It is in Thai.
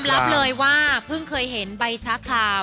ขวัญยอมรับเลยว่าเพิ่งเคยเห็นใบชะคราม